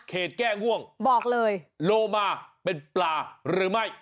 เคศแก้ง่วงโลมาเป็นปลาหรือไม่บอกเลย